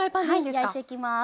はい焼いていきます。